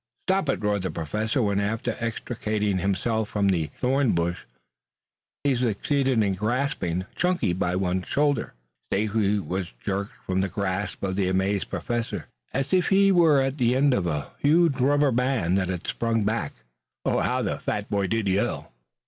"Stop it!" roared the Professor, when, after extricating himself from the thorn bush, he succeeded in grasping Chunky by one shoulder. Stacy was jerked from the grasp of the amazed Professor as if he were at one end of a huge rubber band that had sprung back. How the fat boy did yell!